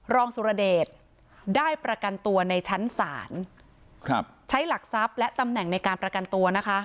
สุรเดชได้ประกันตัวในชั้นศาลครับใช้หลักทรัพย์และตำแหน่งในการประกันตัวนะคะ